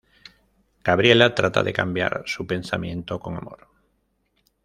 Gabriela trata de cambiar su pensamiento con amor.